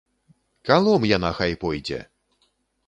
Калом яна хай пойдзе!